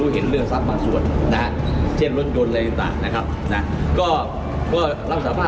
เห็นเรื่องทรัพย์บางส่วนนะครับเช่นรถยนต์อะไรต่างนะครับนะ